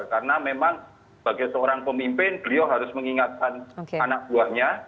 karena memang sebagai seorang pemimpin beliau harus mengingatkan anak buahnya